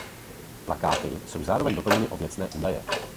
Plakáty jsou zároveň doplněny o věcné údaje.